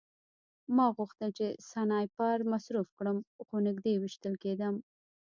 ما غوښتل چې سنایپر مصروف کړم خو نږدې ویشتل کېدم